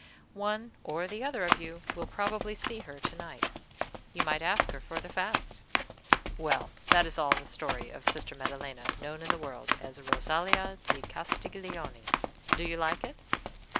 One or the other of you will probably see her to night. You might ask her for the facts. Well, that is all the story of Sister Maddelena, known in the world as Rosalia di Castiglione. Do you like it?"